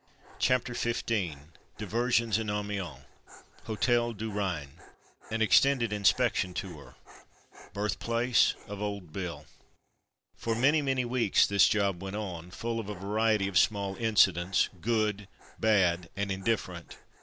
CHAPTER XV DIVERSIONS IN AMIENS "HOTEL DU RHIn'' — ^AN EXTENDED INSPECTION TOUR BIRTHPLACE OF "OLD BILL'' For many, many weeks this job went on, full of a variety of small incidents, good, bad, and indifferent.